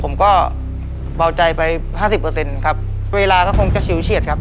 ผมก็เบาใจไปห้าสิบเปอร์เซ็นต์ครับเวลาก็คงจะชิวเฉียดครับ